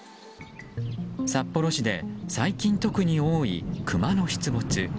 札幌市で最近特に多いクマの出没。